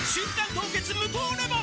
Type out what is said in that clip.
凍結無糖レモン」